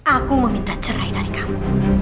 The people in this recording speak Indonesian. aku meminta cerai dari kamu